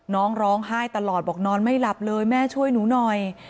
ร้องไห้ตลอดบอกนอนไม่หลับเลยแม่ช่วยหนูหน่อย